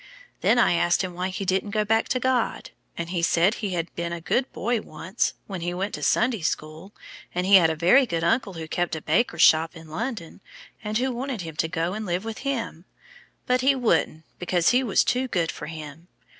Then I asked him why he didn't go back to God, and he said he had been a good boy once, when he went to Sunday school, and he had a very good uncle who kept a baker's shop in London, and who wanted him to go and live with him, but he wouldn't, because he was too good for him.